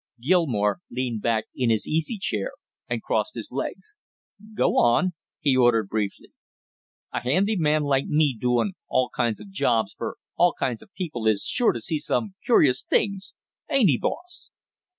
Gilmore leaned back in his easy chair and crossed his legs. "Go on!" he ordered briefly. "A handy man like me doin' all kinds of jobs for all kinds of people is sure to see some curious things, ain't he, boss?"